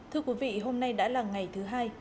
thưa quý vị hôm nay đã là ngày thứ hai